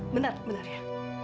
bentar bentar ya